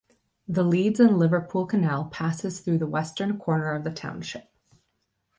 The Leeds and Liverpool Canal passes through the western corner of the township.